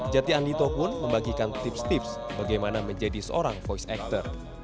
jati andito pun membagikan tips tips bagaimana menjadi seorang voice actor